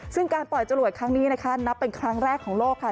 ซึ่งการปล่อยจรวดครั้งนี้นะคะนับเป็นครั้งแรกของโลกค่ะ